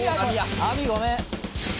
網網ごめん